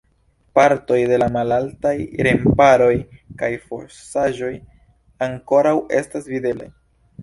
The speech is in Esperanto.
Partoj de la malaltaj remparoj kaj fosaĵoj ankoraŭ estas videblaj.